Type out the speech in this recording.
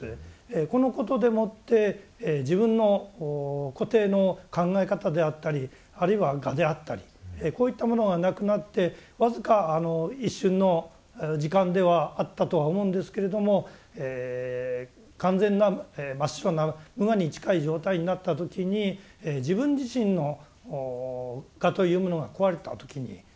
このことでもって自分の固定の考え方であったりあるいは我であったりこういったものがなくなって僅か一瞬の時間ではあったとは思うんですけれども完全な真っ白な無我に近い状態になった時に自分自身の我というものが壊れた時に非常に安楽に感じたんですね。